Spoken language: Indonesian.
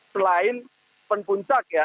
selain penpuncak ya